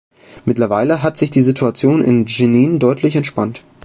Mittlerweile hat sich die Situation in Dschenin deutlich entspannt.